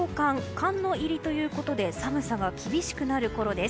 寒の入りということで寒さが厳しくなるころです。